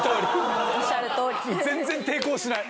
全然抵抗しない。